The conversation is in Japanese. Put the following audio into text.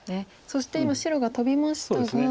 そして今白がトビましたが。